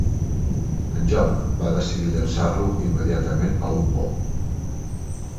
En John va decidir llançar-lo immediatament a un pou.